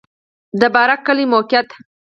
د بارک کلی موقعیت